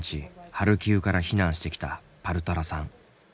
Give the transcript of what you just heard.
ハルキウから避難してきたパルタラさん。